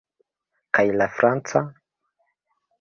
Kaj la franca?